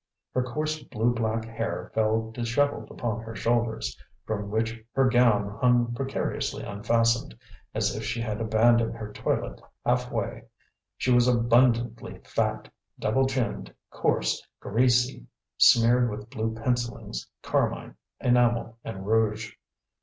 Her coarse blue black hair fell dishevelled upon her shoulders, from which her gown hung precariously unfastened, as if she had abandoned her toilet half way. She was abundantly fat, double chinned, coarse, greasy, smeared with blue pencillings, carmine, enamel, and rouge.